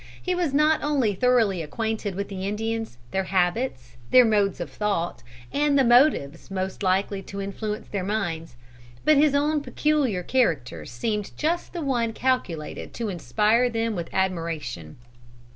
He was not only thoroughly acquainted with the Indians, their habits, their modes of thought, and the motives most likely to influence their minds; but his own peculiar character seemed just the one calculated to inspire them with admiration.